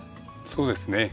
そうですね。